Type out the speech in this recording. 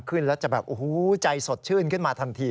ขึ้นแล้วจะแบบโอ้โหใจสดชื่นขึ้นมาทันที